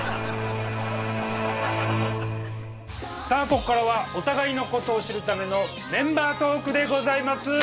さあここからはお互いのことを知るためのメンバートークでございます。